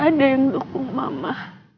ada yang dukung mama